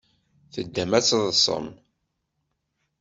Teddam ad teḍḍsem.